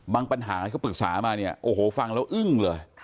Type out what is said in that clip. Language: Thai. ปัญหาที่เขาปรึกษามาเนี่ยโอ้โหฟังแล้วอึ้งเลย